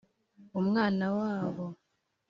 umwana wabo!